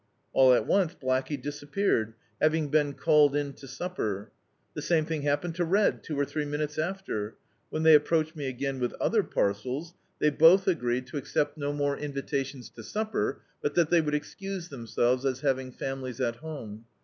All at once Blackey disappeared, having been called in to supper. The same thing happened to Red, two or three minutes after. When they approached me again with other parcels, they both agreed to accept D,i.,.d'b,Google The Autobiography of a Super Tramp no more invitations to supper, but that they would excuse themselves as having families at home.